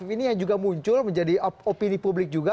ini yang juga muncul menjadi opini publik juga